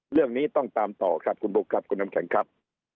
เรื่องนี้ต้องตามต่อครับคุณบุ๊คครับคุณน้ำแข็งครับ